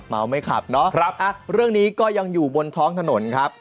ไม่ขับเนาะเรื่องนี้ก็ยังอยู่บนท้องถนนครับ